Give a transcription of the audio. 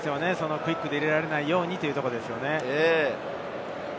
クイックで入れられないようにということですよね。